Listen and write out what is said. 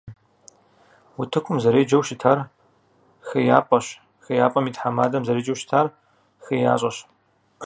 УтыкӀум зэреджэу щытар «ХеяпӀэщ», ХейяпӀэм и тхьэмадэм зэреджэу щытар «ХеящӀэщ».